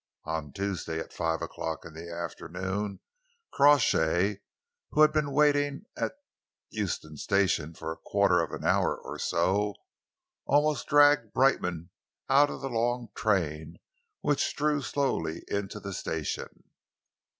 On Tuesday, at five o'clock in the afternoon, Crawshay, who had been waiting at Euston Station for a quarter of an hour or so, almost dragged Brightman out of the long train which drew slowly into the station.